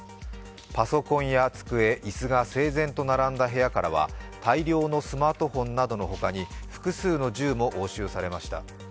パソコンや机、椅子が整然と並んだ部屋からは、大量のスマートフォンなどのほかに複数の銃も押収されました。